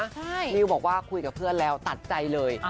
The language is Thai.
นิวบอกว่าคุยกับเพื่อนแล้วตัดใจเลย